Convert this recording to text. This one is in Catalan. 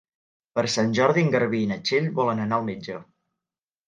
Per Sant Jordi en Garbí i na Txell volen anar al metge.